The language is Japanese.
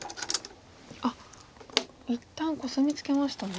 あっ一旦コスミツケましたね。